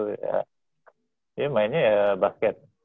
dia mainnya ya basket